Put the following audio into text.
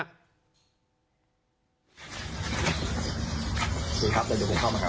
แบบนั้นมันอยู่ไหนอย่างนั้น